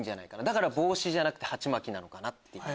だから帽子じゃなくてはちまきなのかなっていう。